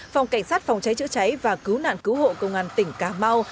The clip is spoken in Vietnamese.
phòng cảnh sát phòng cháy chữa cháy và cứu nạn cứu hộ công an tỉnh cà mau